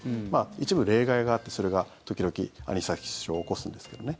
一部例外があってそれが時々、アニサキス症を起こすんですけどね。